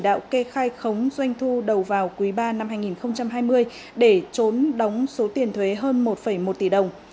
và đã chỉ đạo kê khai khống doanh thu đầu vào quý ba năm hai nghìn hai mươi để trốn đóng số tiền thuế hơn một một tỷ đồng